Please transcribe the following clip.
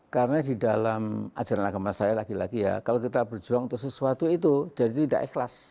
karena di dalam ajaran agama saya lagi lagi ya kalau kita berjuang untuk sesuatu itu jadi tidak ikhlas